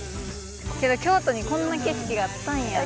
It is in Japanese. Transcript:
けど京都にこんな景色があったんや。